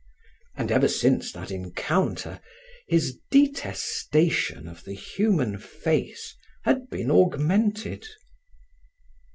And ever since that encounter, his detestation of the human face had been augmented.